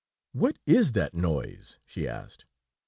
"What is that noise?" she asked.